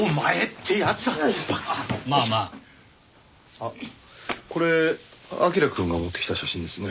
あっこれ彬くんが持ってきた写真ですね。